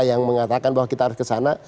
yang mengatakan bahwa kita harus ke sana